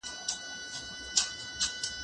زه هره ورځ مځکي ته ګورم؟